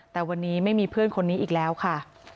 แต่วันนี้ไม่มีเพื่อนคนนี้อีกแล้วค่ะ